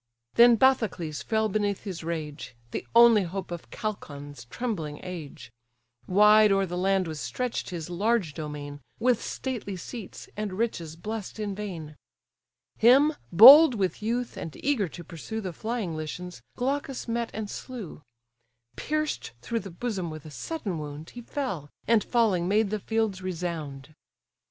Then Bathyclaeus fell beneath his rage, The only hope of Chalcon's trembling age; Wide o'er the land was stretch'd his large domain, With stately seats, and riches blest in vain: Him, bold with youth, and eager to pursue The flying Lycians, Glaucus met and slew; Pierced through the bosom with a sudden wound, He fell, and falling made the fields resound.